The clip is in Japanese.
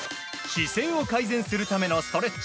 姿勢を改善するためのストレッチ。